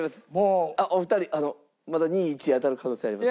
あっお二人まだ２位１位当たる可能性あります。